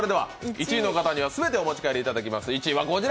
１位の方には全てお持ち帰りいただきます、こちら！